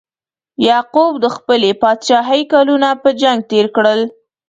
یعقوب د خپلې پاچاهۍ کلونه په جنګ تیر کړل.